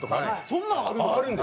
そんなんあるの？